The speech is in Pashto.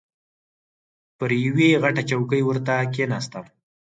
پر یوې غټه چوکۍ ورته کښېناستم.